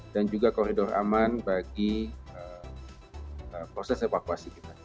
dan juga koridor aman bagi proses evakuasi kita